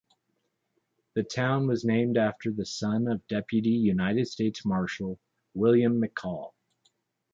The town was named after the son of deputy United States marshal William McCall.